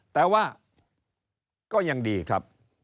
แต่ว่าก็ยังดีครับ